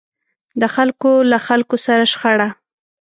د خلکو له خلکو سره شخړه.